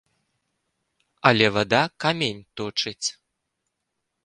Але вада камень точыць.